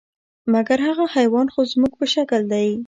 مګر هغه حیوان خو زموږ په شکل دی .